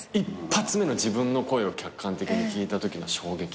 １発目の自分の声を客観的に聞いたときの衝撃。